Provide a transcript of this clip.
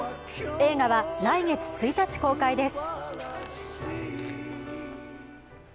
映画は来月１日公開です。